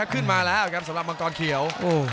ขึ้นมาแล้วครับสำหรับมังกรเขียว